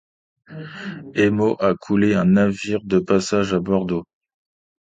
Emo a coulé un navire de passage à Bordeaux.